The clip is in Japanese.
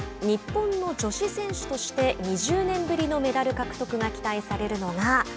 日本の女子選手として２０年ぶりのメダル獲得が期待されるのが。